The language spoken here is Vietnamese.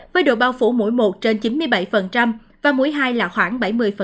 với độ bao phủ mỗi một trên chín mươi bảy và mũi hai là khoảng bảy mươi